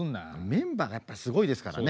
メンバーがやっぱすごいですからね。